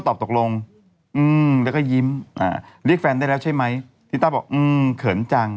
ตอบตกลงอืมแล้วก็ยิ้มอ่าเรียกแฟนได้แล้วใช่ไหมลิต้าบอกอืมเขินจัง